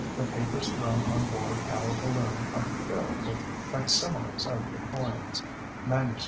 The papers thrown on board our balloon are filled with fac similes of the coins, MSS.